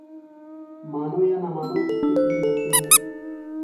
मानो या न मानो, उसके तीन बच्चे हैं।